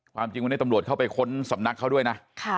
จริงวันนี้ตำรวจเข้าไปค้นสำนักเขาด้วยนะ